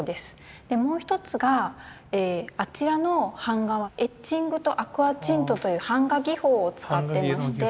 でもう一つがあちらの版画はエッチングとアクアチントという版画技法を使ってまして。